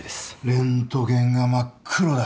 レントゲンが真っ黒だ。